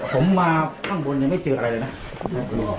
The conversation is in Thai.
ผมมาข้างบนยังไม่เจออะไรเลยนะ